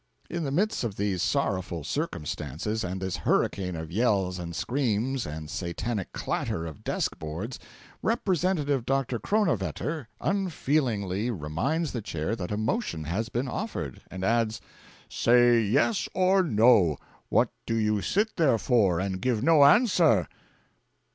In the midst of these sorrowful circumstances and this hurricane of yells and screams and satanic clatter of desk boards, Representative Dr. Kronawetter unfeelingly reminds the Chair that a motion has been offered, and adds: 'Say yes, or no! What do you sit there for, and give no answer?'